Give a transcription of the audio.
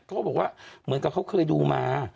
เขาบอกว่าเหมือนกับเขาเคยดูมา